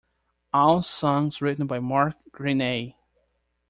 All songs written by Mark Greaney.